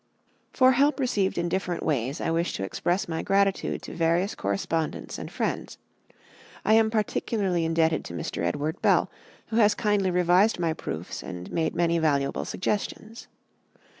For help received in different ways I wish to express my gratitude to various correspondents and friends. I am particularly indebted to Mr. Edward Bell, who has kindly revised my proofs and made many valuable suggestions.